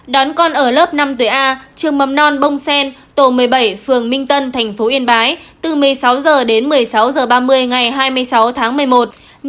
đón con ở lớp năm tuổi a trường mầm non bông sen tổ một mươi bảy phường minh tân thành phố yên bái từ một mươi sáu h đến một mươi sáu h ba mươi ngày hai mươi sáu tháng một mươi một